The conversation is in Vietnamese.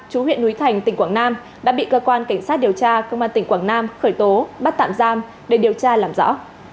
chú huyện núi thành tỉnh quảng nam đã bị cơ quan cảnh sát điều tra công an tỉnh quảng nam khởi tố bắt tạm giam để điều tra làm rõ